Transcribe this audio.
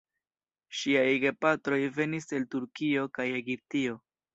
Ŝiaj gepatroj venis el Turkio kaj Egiptio.